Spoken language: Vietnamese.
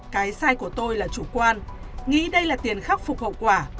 cái sai của tôi là chủ quan nghĩ đây là tiền khắc phục hậu quả